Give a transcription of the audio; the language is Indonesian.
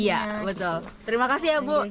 iya betul terima kasih ya bu